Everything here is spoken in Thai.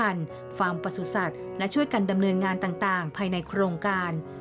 และพืชพันธุ์ฟาร์มประสุทธิ์และช่วยกันดำเนินงานต่างภายในโครงการ